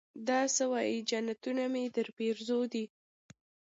دا سه وايې جنتونه مې درپېرزو دي.